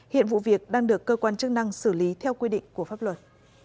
hiện vụ việc đang được cơ quan chức năng xử lý theo quy định của pháp luật